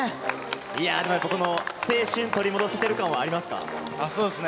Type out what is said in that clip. いやーでも、青春取り戻せてる感、ありまそうですね。